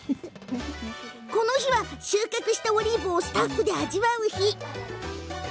この日は、収穫したオリーブをスタッフで味わう日。